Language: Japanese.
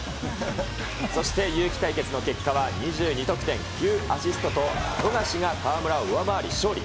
そして、ゆうき対決の結果は、２２得点９アシストと富樫が河村を上回り勝利。